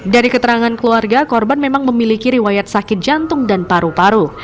dari keterangan keluarga korban memang memiliki riwayat sakit jantung dan paru paru